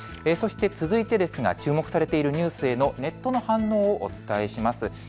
続いてですが、注目されているニュースへのネットの反応をお伝えします。